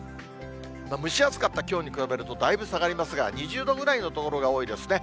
蒸し暑かったきょうに比べるとだいぶ下がりますが、２０度ぐらいの所が多いですね。